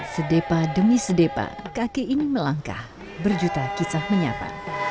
sedepa demi sedepa kakek ini melangkah berjuta kisah menyapa